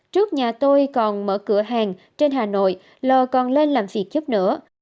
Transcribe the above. trước nhà tôi còn mở cửa hàng trên hà nội lò còn lên làm việc giúp nữa